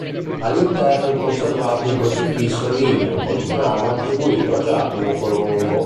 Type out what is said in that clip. All'interno è conservato un crocifisso ligneo policromo attribuito a Giacomo Colombo.